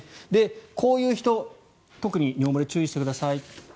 こういう人、特に尿漏れ注意してください